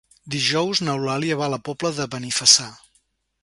Dijous n'Eulàlia va a la Pobla de Benifassà.